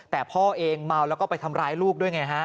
แต่พ่อเองเมาแล้วก็ไปทำร้ายลูกด้วยไงฮะ